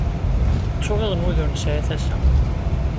Ttuɣiḍen wid ur nesɛi tasa.